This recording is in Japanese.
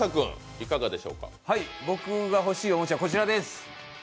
僕が欲しいおもちゃはこちらです。